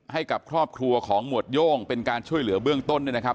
ให้กับครอบครัวของหมวดโย่งเป็นการช่วยเหลือเบื้องต้นด้วยนะครับ